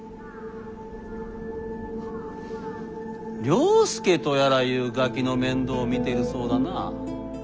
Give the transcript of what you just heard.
了助とやらいうガキの面倒を見ているそうだな。